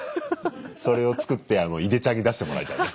それを作っていでちゃんに出してもらいたいね。